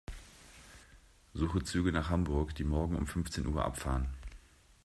Suche Züge nach Hamburg, die morgen um fünfzehn Uhr abfahren.